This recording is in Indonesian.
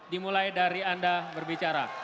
dimulai dari anda berbicara